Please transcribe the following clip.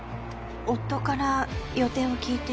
夫から予定を聞いて。